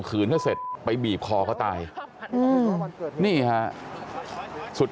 กลับไปลองกลับ